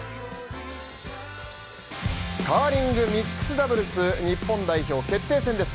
カーリングミックスダブルス日本代表決定戦です。